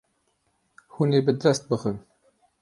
Hûn ê bi dest bixin.